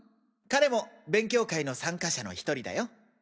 彼も勉強会の参加者の１人だよ。